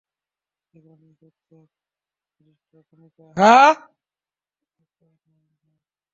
সেগুলো নিয়ে ছুটলেন বিশিষ্ট ভূমিকা লেখক অধ্যাপক সৈয়দ মনিরুল ইসলামের কাছে।